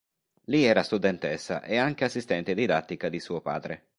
Lì era studentessa e anche assistente didattica di suo padre.